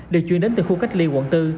được chuyển đến từ khu cách ly quận bốn